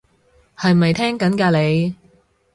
係咪聽緊㗎你？